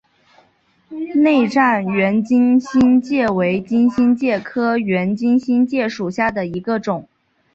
内战圆金星介为金星介科圆金星介属下的一个种。